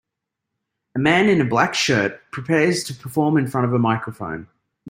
A man in a black shirt prepares to perform in front of a microphone.